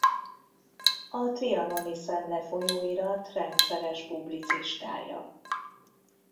A Trianoni Szemle folyóirat rendszeres publicistája.